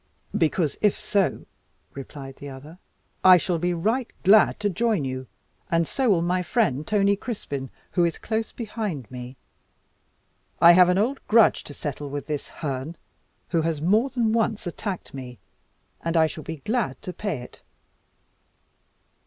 "Because if so," replied the other, "I shall be right glad to join you, and so will my friend, Tony Cryspyn, who is close behind me. I have an old grudge to settle with this Herne, who has more than once attacked me, and I shall be glad to pay it."